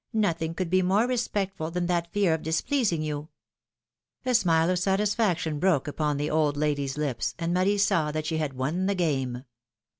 Nothing could be more respectful than that fear of displeasing you !" A smile of satisfaction broke upon the old lady's lips, and Marie saw that she had won the game.